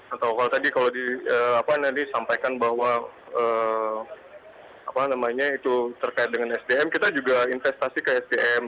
atau kalau tadi kalau disampaikan bahwa terkait dengan sdm kita juga investasi ke sdm